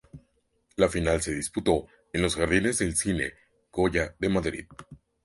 La final se disputó en los Jardines del Cine Goya de Madrid.